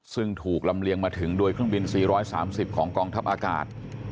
ซึ่งถูกลำเลียงมาถึงโดยเครื่องบิน๔๓๐ของกองทัพอากาศ